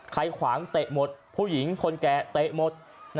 ขวางเตะหมดผู้หญิงคนแก่เตะหมด